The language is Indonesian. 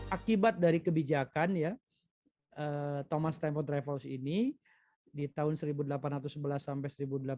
akibat dari kebijakan thomas tumford raffles ini di tahun seribu delapan ratus sebelas sampai seribu delapan ratus enam belas